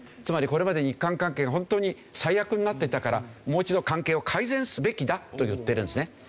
つまりこれまで日韓関係はホントに最悪になっていたからもう一度関係を改善すべきだと言ってるんですね。